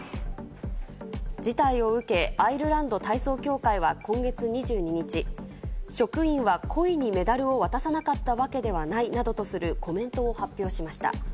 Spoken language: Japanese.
事態を受け、アイルランド体操協会は今月２２日、職員は故意にメダルを渡さなかったわけではないなどとするコメントを発表しました。